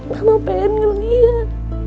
mama pengen ngelih ya